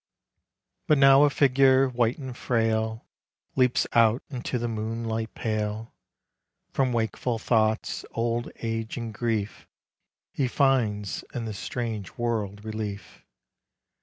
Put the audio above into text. But now a figure white and frail Leaps out into the moonlight pale. From wakeful thoughts, old age and grief llr finds in this strange world relief.